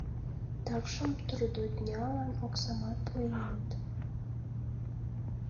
Такшым трудоднялан оксамат пуэныт.